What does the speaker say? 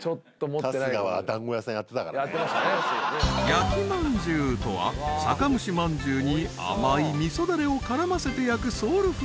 ［焼きまんじゅうとは酒蒸しまんじゅうに甘い味噌だれを絡ませて焼くソウルフード］